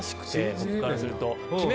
僕からすると。